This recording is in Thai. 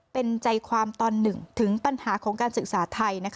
เป็นใจความตอนหนึ่งถึงปัญหาของการศึกษาไทย